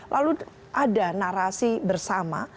lalu ada narasi bersama